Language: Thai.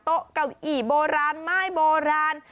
เก้าอี้โบราณไม้โบราณ